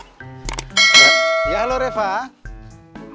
kamu dimana udah di sekolah atau masih di rumah